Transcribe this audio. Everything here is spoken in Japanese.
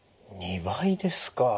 ２倍ですか。